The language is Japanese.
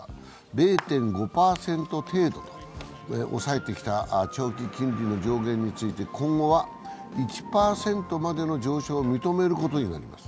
０．５％程度に抑えてきた長期金利の上限について今後は１％までの上昇を認めることになります。